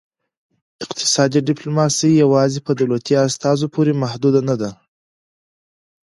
اقتصادي ډیپلوماسي یوازې په دولتي استازو پورې محدوده نه ده